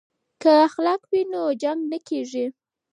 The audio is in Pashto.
که اخلاق وي نو جنګ نه کیږي.